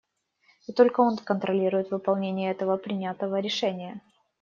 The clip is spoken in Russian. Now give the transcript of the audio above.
И только он контролирует выполнение этого принятого решения.